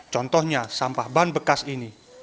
contohnya sampah ban bekas ini